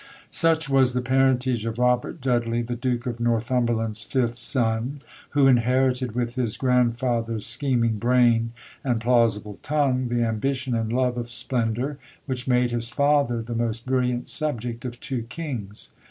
[Illustration: ROBERT DUDLEY, EARL OF LEICESTER] Such was the parentage of Robert Dudley, the Duke of Northumberland's fifth son, who inherited, with his grandfather's scheming brain and plausible tongue, the ambition and love of splendour which made his father the most brilliant subject of two kings.